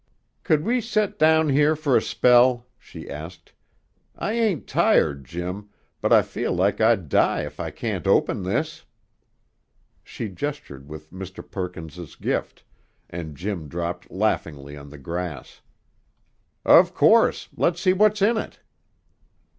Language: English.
"Could we set down here for a spell?" she asked. "I ain't tired, Jim, but I feel like I'd die if I can't open this!" She gestured with Mr. Perkins's gift, and Jim dropped laughingly on the grass. "Of course. Let's see what's in it."